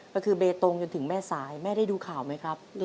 ก็คือเบตงจนถึงแม่สายแม่ได้ดูข่าวไหมครับ